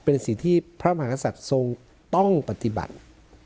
เป็นสิ่งที่พระมหากษัตริย์ทรงต้องปฏิบัติ